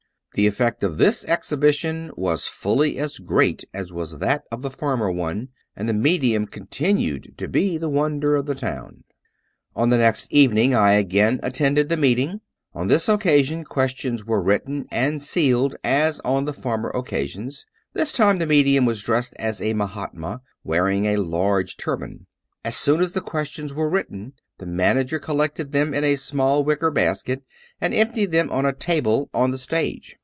The effect of this exhibition was fully as great as was that of the former one, and the medium continued to be the wonder of the town. . a •.• On the next evening I again attended the meeting. On this occasion questions were written and sealed as on the former occasions. This time the medium was dressed as a " Mahatma," wearing a large turban. As soon as the questions were written, the manager collected them in a small wicker basket, and emptied them on a table on the stage.